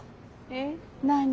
えっ何？